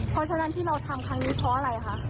เพราะฉะนั้นที่เราทำครั้งนี้เพราะอะไรคะ